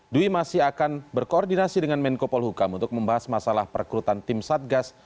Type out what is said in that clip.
dwi masih akan berkoordinasi dengan menko polhukam untuk membahas masalah perekrutan tim satgas